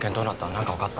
何か分かった？